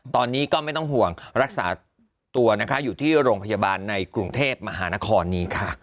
ตอนนี้ก็ไม่ต้องห่วงรักษาตัวนะคะอยู่ที่โรงพยาบาลในกรุงเทพมหานครนี้ค่ะ